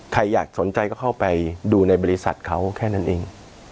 ใครอยากสนใจก็เข้าไปดูในบริษัทเขาแค่นั้นเอง